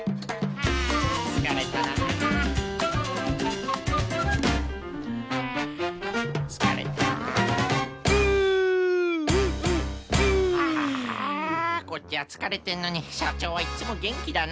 ああこっちはつかれてんのにしゃちょうはいっつもげんきだな。